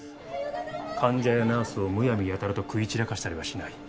患者やナースをむやみやたらと食い散らかしたりはしない。